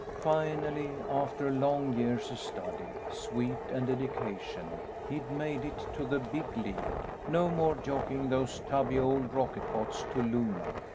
Finally, after long years of study, sweat and dedication, he'd made it to the Big League. No more jockeying those tubby old rocket pots to Luna!